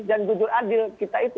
dan jujur adil kita itu